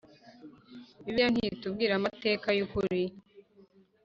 bibiliya ntitubwira amateka y ukuri